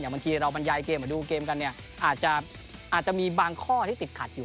บางทีเราบรรยายเกมมาดูเกมกันเนี่ยอาจจะมีบางข้อที่ติดขัดอยู่